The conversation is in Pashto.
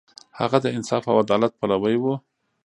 هغه د انصاف او عدالت پلوی و.